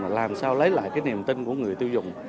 là làm sao lấy lại niềm tin của người tiêu dùng